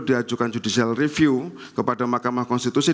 diajukan judicial review kepada mahkamah konstitusi